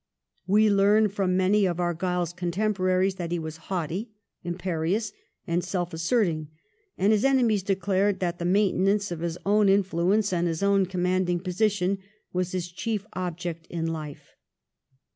We learn from many of Argyle's contempo raries that he was haughty, imperious, and self asserting ; and his enemies declared that the'mainten ance of his own influence and his own commanding position was his chief object in life.